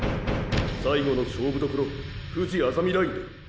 最後の勝負どころふじあざみラインだ。